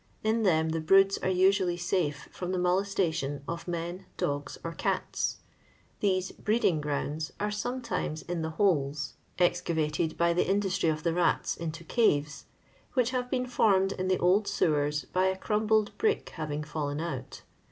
In them the broods are usually safe from the molestation of men, dogs, or cats. These " breeding grounds" are sometimes in the holes (excavated by 482 LONDON LABOUR AND TEB LONDON POOR. tbe indnstry of the rats into csTes) which hare been formed in the old sewers by a cnirabled brick having fallen ont.